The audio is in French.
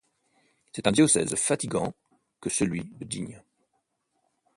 C'est un diocèse fatigant que celui de Digne.